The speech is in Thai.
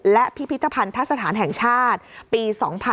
และพิพิธภัณฑสถานแห่งชาติปี๒๕๖๒